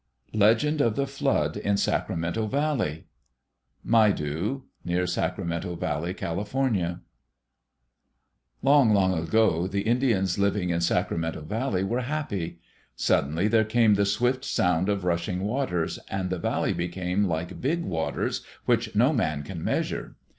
Legend of the Flood in Sacramento Valley Maidu (near Sacramento Valley, Cal.) Long, long ago the Indians living in Sacramento Valley were happy. Suddenly there came the swift sound of rushing waters, and the valley became like Big Waters, which no man can measure.